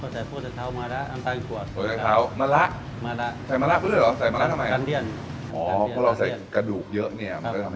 ใส่พวกมะละอันต่างในขวด